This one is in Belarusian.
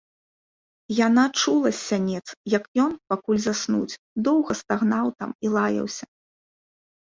Яна чула з сянец, як ён, пакуль заснуць, доўга стагнаў там і лаяўся.